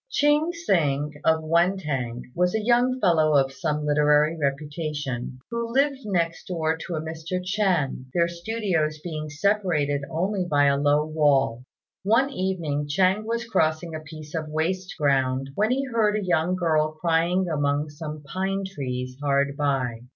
Ching Hsing, of Wên têng, was a young fellow of some literary reputation, who lived next door to a Mr. Ch'ên, their studios being separated only by a low wall. One evening Ch'ên was crossing a piece of waste ground when he heard a young girl crying among some pine trees hard by.